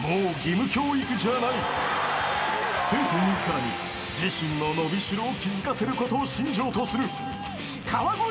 ［生徒自らに自身の伸びしろを気付かせることを信条とする］